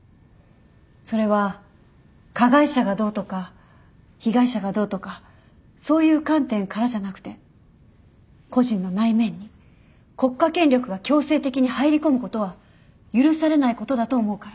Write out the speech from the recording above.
それは加害者がどうとか被害者がどうとかそういう観点からじゃなくて個人の内面に国家権力が強制的に入り込むことは許されないことだと思うから。